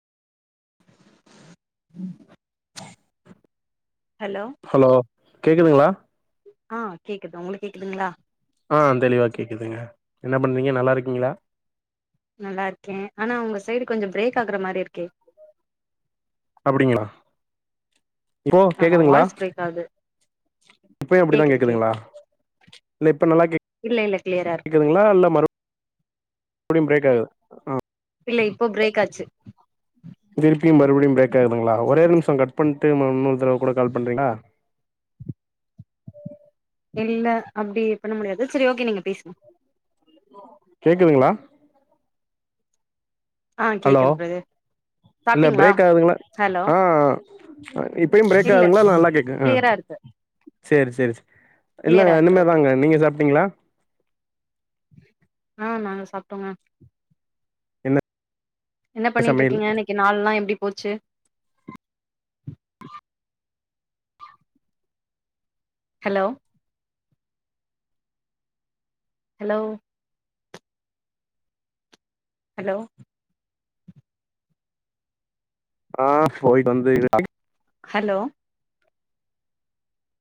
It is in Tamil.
உம் ஹலோ ஹலோ கேக்குதுங்களா ஆ கேக்குது உங்களுக்கு கேக்குதுங்களா ஆ தெளிவாக் கேக்குதுங்க என்ன பண்றீங்க நல்லாருக்கீங்களா நல்லா இருக்கேன் ஆனா உங்க சைடு கொஞ்சோம் பிரேக் ஆகுற மாரி இருக்கே அப்பிடிங்களா இப்போ ஆமா கேக்குதுங்களா வாய்ஸ் பிரேக் ஆகுது இப்பயு அப்பிடி தா கேக்குது கேக்குது கேக்குதுங்களா இல்ல இப்ப நல்லா கேக்குது இல்ல இல்ல கிளியரா இருக்கு ங்களா இல்ல மறுபடியும் பிரேக் ஆகுது இல்ல இப்போ பிரேக் ஆச்சு திருப்பியும் மறுபடியும் பிரேக் ஆகுதுங்களா ஒரே ஒரு நிமிஷம் கட் பண்ணிட்டு ம இன்னொரு தடவ கூட கால் பண்றீங்களா இல்ல அப்டி பண்ண முடியாது செரி ஓகே நீங்க பேசுங்க கேக்குதுங்களா ஆ ஹலோ கேக்குது பிரதர் இல்ல சாப்ட்டீங்களா பிரேக் ஆகுதுங்களா ஹலோ ஆ இப்பயும் பிரேக் ஆகுதுங்களா இல்ல நல்லா கேக்கு அ கிளியரா இருக்கு செரி செரி செரி கிளியரா இல்லங்க இருக்கு இனிமே ஓகே தாங்க நீங்க சாப்ட்டீங்களா ஆ நாங்க சாப்ட்டோங்க என்ன என்ன பண்ணிகிட்டு சமையல் இருக்கீங்க இன்னைக் கி நாள் எல்லாம் எப்டி போச்சு ஹலோ ஹலோ ஹலோ ஆ போயிட்டு வந்து [inaudible] ஹலோ